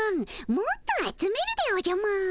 もっと集めるでおじゃマーン。